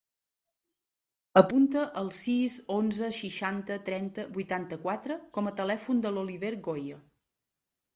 Apunta el sis, onze, seixanta, trenta, vuitanta-quatre com a telèfon de l'Oliver Goya.